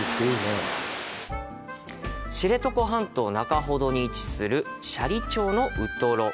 知床半島中ほどに位置する斜里町のウトロ。